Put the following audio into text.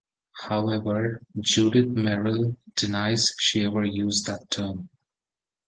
However, Judith Merril denies she ever used that term.